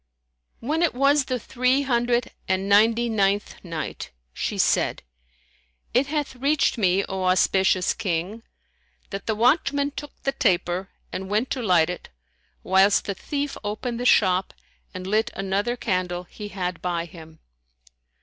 When it was the Three Hundred and Ninety ninth Night, She said, It hath reached me, O auspicious King, that the watchman took the taper and went to light it, whilst the thief opened the shop and lit another candle he had by him.